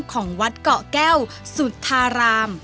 ของวัดเกาะแก้วสุธาราม